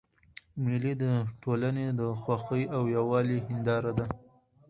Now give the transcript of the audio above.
مېلې د ټولني د خوښۍ او یووالي هنداره ده.